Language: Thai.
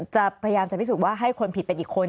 จะพยายามจะพิสูจน์ว่าให้คนผิดเป็นอีกคน